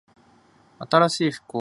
新しい服を買ったの？